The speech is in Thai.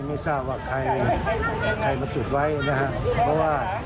ไม่ทราบว่าใครมาจุดไว้นะครับ